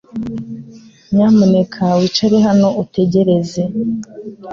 Nyamuneka wicare hano utegereze .